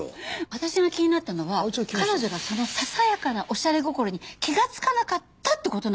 私が気になったのは彼女がそのささやかなおしゃれ心に気がつかなかったって事なんです。